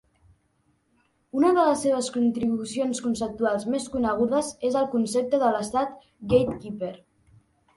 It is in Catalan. Una de les seves contribucions conceptuals més conegudes és el concepte de l'estat gatekeeper.